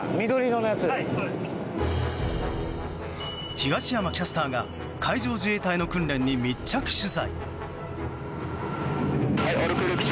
東山キャスターが海上自衛隊の訓練に密着取材。